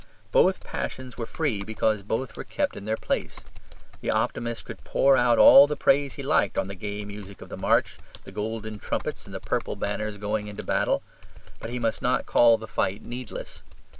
Both passions were free because both were kept in their place. The optimist could pour out all the praise he liked on the gay music of the march, the golden trumpets, and the purple banners going into battle. But he must not call the fight needless.